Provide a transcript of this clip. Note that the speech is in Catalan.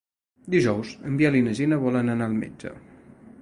Dijous en Biel i na Gina volen anar al metge.